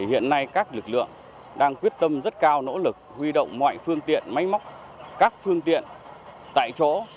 hiện nay các lực lượng đang quyết tâm rất cao nỗ lực huy động mọi phương tiện máy móc các phương tiện tại chỗ